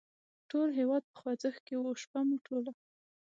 ټول هېواد په خوځښت کې و، شپه مو ټوله.